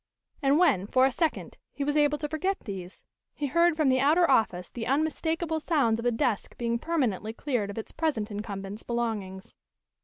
And when, for a second, he was able to forget these, he heard from the outer office the unmistakable sounds of a desk being permanently cleared of its present incumbent's belongings.